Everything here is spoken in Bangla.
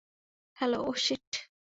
Hello oh sheet!